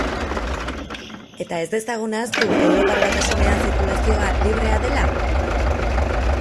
Eta ez dezagun ahaztu Europar Batasunean zirkulazioa librea dela?